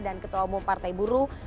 dan ketua umum partai buruh